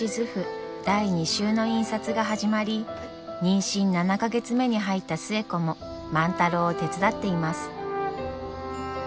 第２集の印刷が始まり妊娠７か月目に入った寿恵子も万太郎を手伝っています。